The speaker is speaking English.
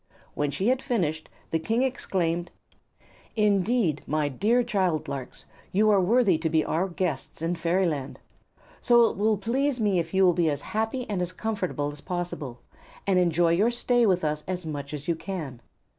When she had finished the King exclaimed: "Indeed, my dear child larks, you are worthy to be our guests in fairyland. So it will please me if you will be as happy and comfortable as possible, and enjoy your stay with us as much as you can.